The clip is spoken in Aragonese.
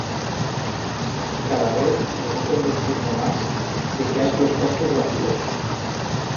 Cada vez me vo convenciendo mas de que has los cascos vacíos.